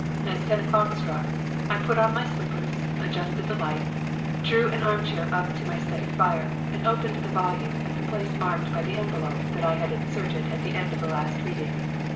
As ten o'clock struck, I put on my slippers, adjusted the light, drew an armchair up to my study fire and opened the volume at the place marked by the envelope that I had inserted at the end of the last reading.